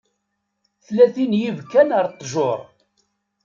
Ttalin yibekkan ar ṭṭjuṛ.